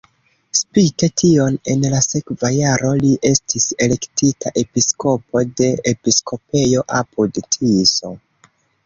Spite tion en la sekva jaro li estis elektita episkopo de episkopejo apud-Tiso.